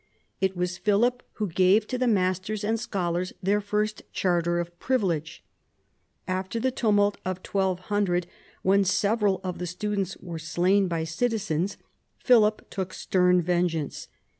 It was Philip who gave to the masters and scholars their first charter of privilege. After the tumult of 1200, when several of the students were slain by citizens, Philip took stern vengeance.